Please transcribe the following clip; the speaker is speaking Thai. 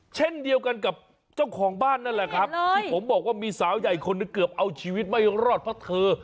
เช่นเดียวกันกับเจ้าของบ้านนั่นแหละครับ